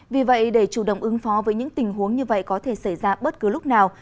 vì vậy để chủ động ứng phó với những tình huống như vậy có thể xảy ra bất cứ lúc nào